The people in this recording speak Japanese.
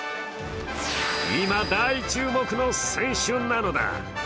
今、大注目の選手なのだ。